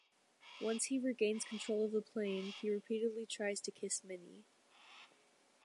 Once he regains control of the plane, he repeatedly tries to kiss Minnie.